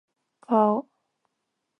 顔